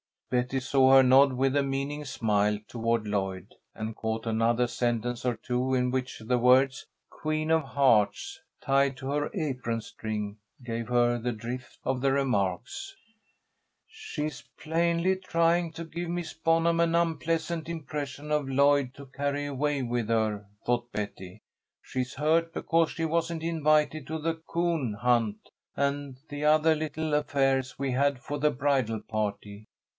Betty saw her nod with a meaning smile toward Lloyd, and caught another sentence or two in which the words, "Queen of Hearts, tied to her apron string," gave her the drift of the remarks. "She's plainly trying to give Miss Bonham an unpleasant impression of Lloyd to carry away with her," thought Betty. "She's hurt because she wasn't invited to the coon hunt, and the other little affairs we had for the bridal party.